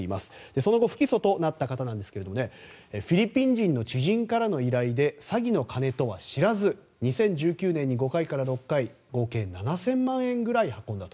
その後不起訴となった方なんですがフィリピン人の知人からの依頼で詐欺の金とは知らず２０１９年に５回から６回合計７０００万円くらい運んだと。